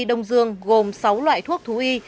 đông dương gồm sáu loại thuốc thú y